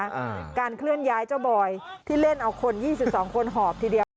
อ่าการเคลื่อนย้ายเจ้าบอยที่เล่นเอาคนยี่สิบสองคนหอบทีเดียว